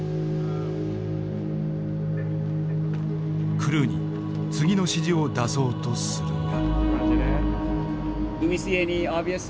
クルーに次の指示を出そうとするが。